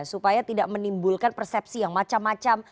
supaya tidak menimbulkan persepsi yang macam macam